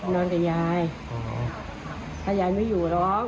นอนกับยายถ้ายายไม่อยู่หรอก